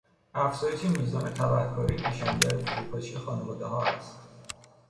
افزایش میزان تبهکاری نشانگر فروپاشی خانوادهها است.